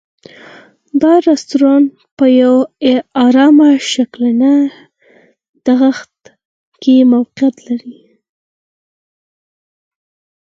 دا رسټورانټ په یوه ارامه شګلنه دښته کې موقعیت لري.